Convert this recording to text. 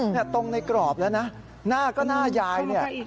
แกะตรงในกรอบหน้าก็หน้ายาย